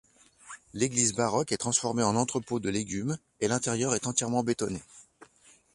L'église baroque est transformée en entrepôt de légumes et l'intérieur est entièrement bétonné.